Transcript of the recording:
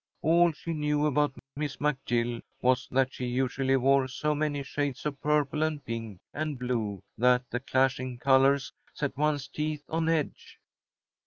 All she knew about Miss McGill was that she usually wore so many shades of purple and pink and blue that the clashing colours set one's teeth on edge.